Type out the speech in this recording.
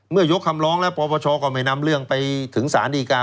ยกคำร้องแล้วปปชก็ไม่นำเรื่องไปถึงสารดีการ